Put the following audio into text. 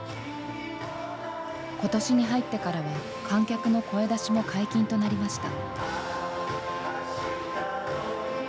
今年に入ってからは観客の声出しも解禁となりました。